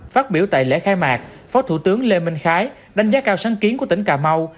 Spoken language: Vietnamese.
phát biểu tại lễ khai mạc phó thủ tướng lê minh khái đánh giá cao sáng kiến của tỉnh cà mau